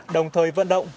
đồng thời vận động